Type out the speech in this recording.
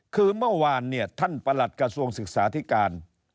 คือเมื่อวานเนี่ยท่านประหลัดกระทรวงศึกษาธิการ